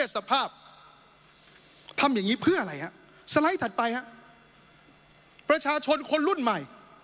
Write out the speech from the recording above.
สภาพทำอย่างนี้เพื่ออะไรฮะสไลด์ถัดไปฮะประชาชนคนรุ่นใหม่